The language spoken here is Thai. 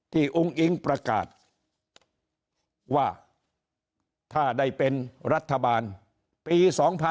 อุ้งอิงประกาศว่าถ้าได้เป็นรัฐบาลปี๒๕๖๒